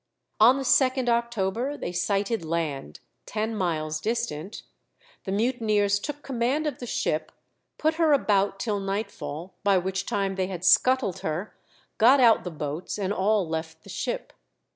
On the 2nd October they sighted land, ten miles distant; the mutineers took command of the ship, put her about till night fall, by which time they had scuttled her, got out the boats, and all left the ship.